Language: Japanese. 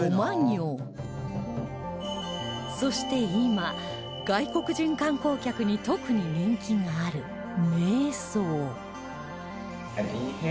そして今外国人観光客に特に人気がある瞑想